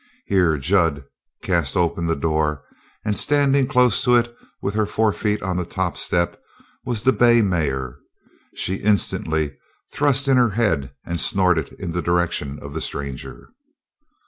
Here Jud cast open the door, and, standing close to it with her forefeet on the top step, was the bay mare. She instantly thrust in her head and snorted in the direction of the stranger.